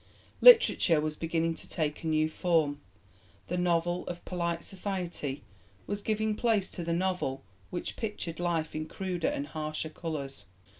Literature was beginning to take a new form. The novel of 'polite' society was giving place to the novel which pictured life in cruder and harsher colours.